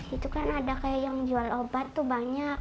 itu kan ada kayak yang jual obat tuh banyak